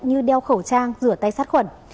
như đeo khẩu trang rửa tay sát khuẩn